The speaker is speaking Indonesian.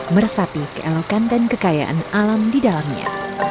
meresapi keelokan dan kekayaan alam di dalamnya